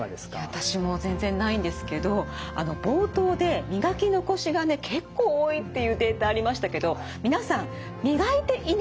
私も全然ないんですけど冒頭で磨き残しがね結構多いっていうデータありましたけど皆さん磨いていないわけではないんです。